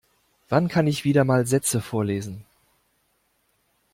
Wann kann ich wieder mal Sätze vorlesen.